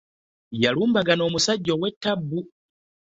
Yalumbagana omusajja ow'ettabu.